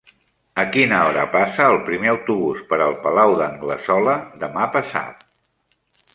A quina hora passa el primer autobús per el Palau d'Anglesola demà passat?